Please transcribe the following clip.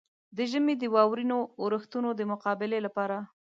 د ژمي د واورينو اورښتونو د مقابلې لپاره.